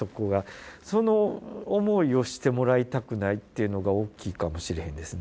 その思いをしてもらいたくないっていうのが大きいかもしれへんですね。